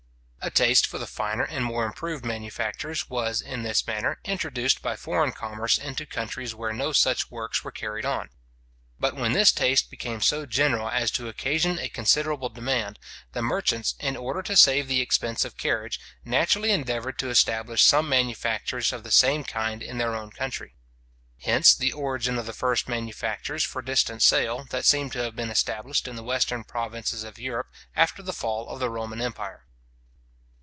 A taste for the finer and more improved manufactures was, in this manner, introduced by foreign commerce into countries where no such works were carried on. But when this taste became so general as to occasion a considerable demand, the merchants, in order to save the expense of carriage, naturally endeavoured to establish some manufactures of the same kind in their own country. Hence the origin of the first manufactures for distant sale, that seem to have been established in the western provinces of Europe, after the fall of the Roman empire.